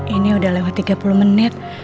ini udah lewat tiga puluh menit